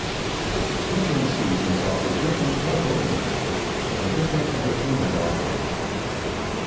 Different seasons offer different park opening hours and different entertainment offerings.